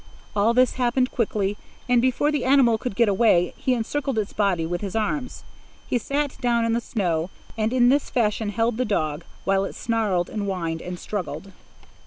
All this happened quickly, and before the animal could get away, he encircled its body with his arms. He sat down in the snow, and in this fashion held the dog, while it snarled and whined and struggled.